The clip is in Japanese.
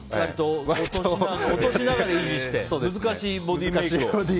落としながら維持して難しいボディーメイクを。